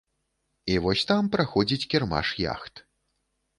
І вось там праходзіць кірмаш яхт.